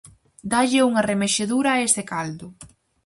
Dálle unha remexedura a ese caldo.